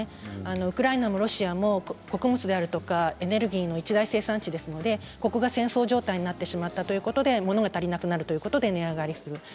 ウクライナもロシアも穀物であるとかエネルギーの一大生産地ですのでここが戦争状態になってしまったということで物が足りなくなるということで値上がりする。